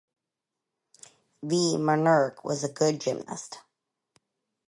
V. Murnik was good gymnast.